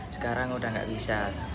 sekarang udah gak bisa